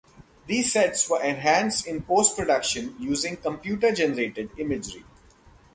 These sets were enhanced in post-production using computer-generated imagery.